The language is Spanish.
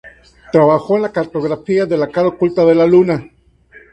Trabajó en la cartografía de la cara oculta de la Luna.